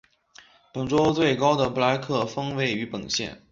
本州最高的布莱克峰位于本县。